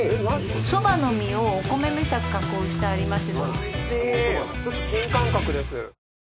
そばの実をお米みたく加工してありまして。